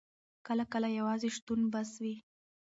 کله کله یوازې شتون بس وي.